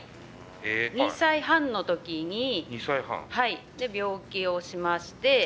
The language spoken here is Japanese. ２歳半のときに病気をしまして。